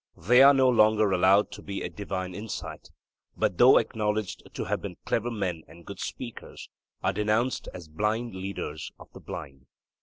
They are no longer allowed to have a divine insight, but, though acknowledged to have been clever men and good speakers, are denounced as 'blind leaders of the blind.'